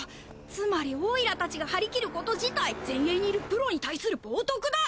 つまりオイラ達が張り切ること自体前衛にいるプロに対する冒涜だ。